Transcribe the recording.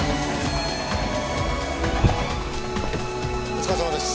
お疲れさまです。